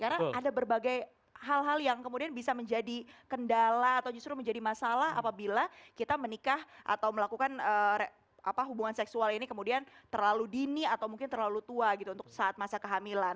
karena ada berbagai hal hal yang kemudian bisa menjadi kendala atau justru menjadi masalah apabila kita menikah atau melakukan hubungan seksual ini kemudian terlalu dini atau mungkin terlalu tua gitu untuk saat masa kehamilan